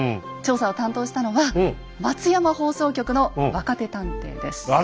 調査を担当したのは松山放送局の若手探偵です。